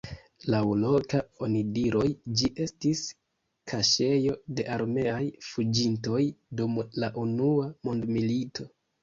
Laŭ loka onidiroj ĝi estis kaŝejo de armeaj fuĝintoj dum la unua mondmilito.